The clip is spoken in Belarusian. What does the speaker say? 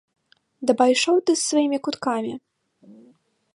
Да пайшоў ты з сваімі куткамі!